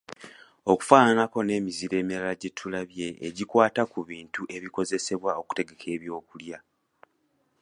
Okufananako n’emizizo emirala gye tulabye egikwata ku bintu ebikozesebwa okutegeka ebyokulya.